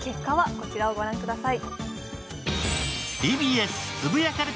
こちらをご覧ください。